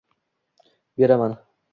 — Beraman.